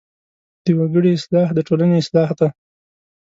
د وګړي اصلاح د ټولنې اصلاح ده.